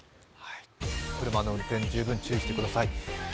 車の運転、十分注意してください。